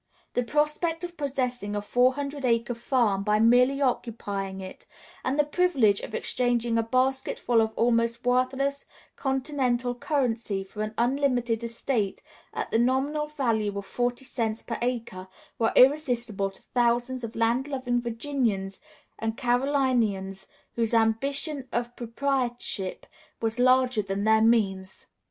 The prospect of possessing a four hundred acre farm by merely occupying it, and the privilege of exchanging a basketful of almost worthless continental currency for an unlimited estate at the nominal value of forty cents per acre, were irresistible to thousands of land loving Virginians and Carolinians whose ambition of proprietorship was larger than their means.